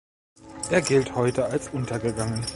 Er gilt heute als untergegangen.